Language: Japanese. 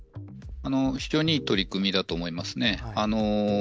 非常にいい取り組みだと思います。